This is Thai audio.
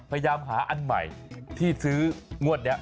พยายามหาอันใหม่ที่ซื้องวดนี้